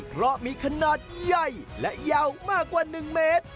เพราะมีขนาดใหญ่และยาวมากกว่า๑เมตร